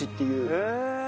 へえ。